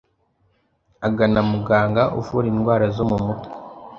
agana muganga uvura indwara zo mu mutwe